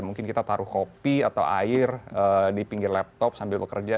mungkin kita taruh kopi atau air di pinggir laptop sambil bekerja